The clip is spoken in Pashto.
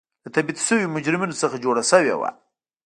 له تبعید شویو مجرمینو څخه جوړه شوې وه.